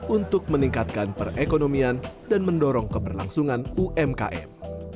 untuk meningkatkan perekonomian dan mendorong keberlangsungan umkm